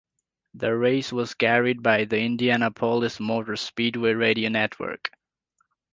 The race was carried by the Indianapolis Motor Speedway Radio Network.